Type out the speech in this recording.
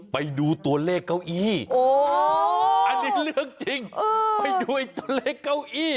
ไปดูตัวเลขเก้าอี้อันนี้เรื่องจริงไปดูตัวเลขเก้าอี้